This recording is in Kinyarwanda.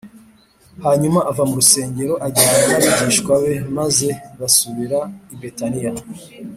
hanyuma ava mu rusengero ajyana n’abigishwa be, maze basubira i betaniya